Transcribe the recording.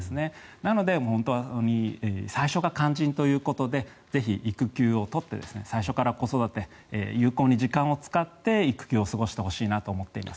なので、本当に最初が肝心ということでぜひ育休を取って最初から子育て有効に時間を使って育休を過ごしてほしいなと思っています。